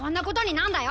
なんだよ！